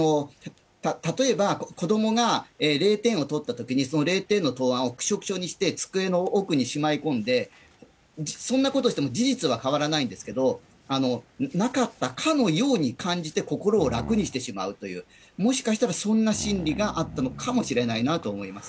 例えば、子どもが０点を取ったときに、その０点の答案をくしょくしょにして机の奥にしまいこんで、そんなことしても事実は変わらないんですけど、なかったかのように感じて心を楽にしてしまうという、もしかしたらそんな心理があったのかもしれないなと思います。